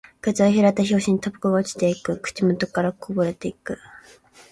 口を開いた拍子にタバコが落ちていく。口元からこぼれていく。